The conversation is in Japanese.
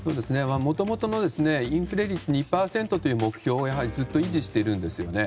もともとのインフレ率２％という目標をずっと維持しているんですよね。